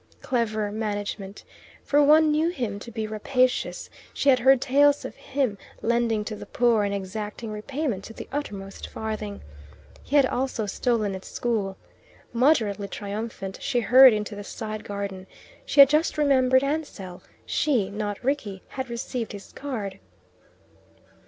Clever management, for one knew him to be rapacious: she had heard tales of him lending to the poor and exacting repayment to the uttermost farthing. He had also stolen at school. Moderately triumphant, she hurried into the side garden: she had just remembered Ansell: she, not Rickie, had received his card.